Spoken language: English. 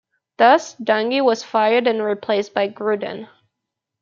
Thus, Dungy was fired and replaced by Gruden.